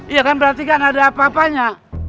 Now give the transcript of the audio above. iya kan berarti kan ada apa apanya